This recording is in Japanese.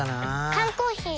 缶コーヒー